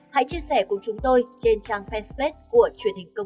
hãy chia sẻ cùng chúng tôi trên trang facebook của chúng tôi